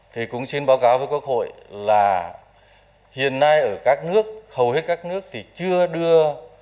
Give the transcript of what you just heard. thì cũng xin báo cáo với quốc hội là hiện nay ở các nước hầu hết các nước thì chưa đưa